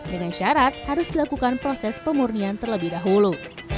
dengan syarat harus dilakukan proses pemurnian terlebih dahulu